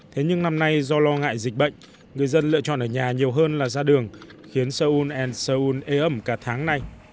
thế nhưng năm nay do lo ngại dịch bệnh người dân lựa chọn ở nhà nhiều hơn là ra đường khiến seoul seoul ế ẩm cả tháng này